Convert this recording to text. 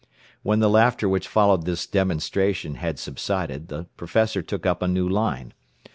When the laughter which followed this "demonstration" had subsided the professor took up a new line.